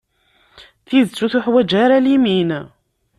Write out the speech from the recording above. Tidet ur teḥwaǧ ara limin.